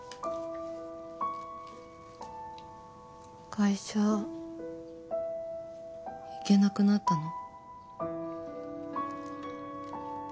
会社行けなくなったの？